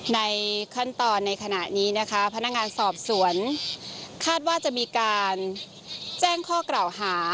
ในขั้นตอนในขณะนี้นะคะพนักงานสอบสวนคาดว่าจะมีการแจ้งข้อกล่าวหา